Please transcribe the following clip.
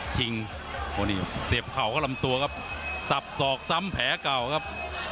ทิ้งโอ้นี่ก็เสพเข่าก็ลำตัวครับสับสอกซ้ำแผลเก่าครับ